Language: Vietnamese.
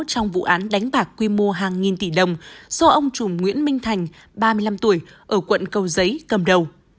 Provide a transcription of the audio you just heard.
trong vụ án đánh bạc quy mô hàng nghìn tỷ đồng do ông trùm nguyễn minh thành ba mươi năm tuổi ở quận cầu giấy cầm đầu